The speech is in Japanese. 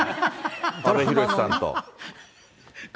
阿部寛さんと。